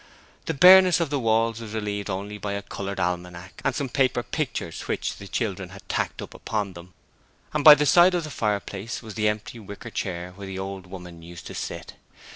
The bareness of the walls was relieved only by a coloured almanac and some paper pictures which the children had tacked upon them, and by the side of the fireplace was the empty wicker chair where the old woman used to sit.